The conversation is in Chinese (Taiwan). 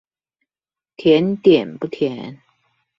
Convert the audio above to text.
甜點不甜